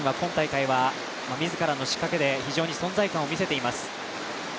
允は自らの仕掛けで、非常に存在感を見せています。